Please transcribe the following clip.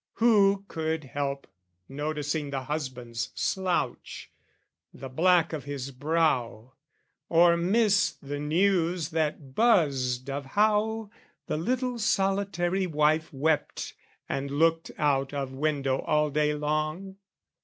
Who could help noticing the husband's slouch, The black of his brow or miss the news that buzzed Of how the little solitary wife Wept and looked out of window all day long?